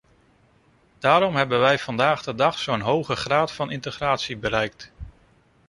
Daarom hebben wij vandaag de dag zo'n hoge graad van integratie bereikt.